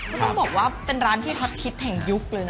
ก็ต้องบอกว่าเป็นร้านที่ฮอตฮิตแห่งยุคเลยนะ